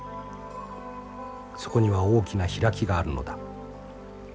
そこには大きな開きがあるのだ。